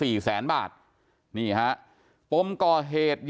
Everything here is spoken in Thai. นี่ฮะปมก่อเหตุญาตของฝั่งผู้ตายให้ข้อมูลว่า